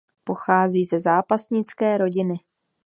Pochází ze zápasnické rodiny.